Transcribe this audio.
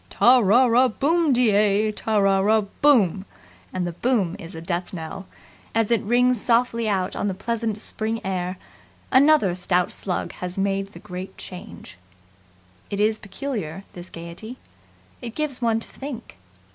"Ta ra ra boom de ay Ta ra ra BOOM " And the boom is a death knell. As it rings softly out on the pleasant spring air, another stout slug has made the Great Change. It is peculiar, this gaiety. It gives one to think.